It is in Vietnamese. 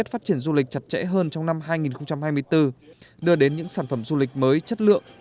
phát triển du lịch chặt chẽ hơn trong năm hai nghìn hai mươi bốn đưa đến những sản phẩm du lịch mới chất lượng